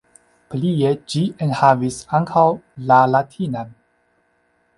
Plie ĝi enhavis ankaŭ la latinan.